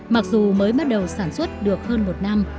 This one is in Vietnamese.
mặc dù mới bắt đầu sản xuất được hơn một năm